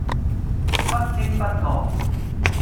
不經不覺